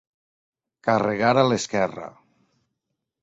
Carregar a l'esquerra.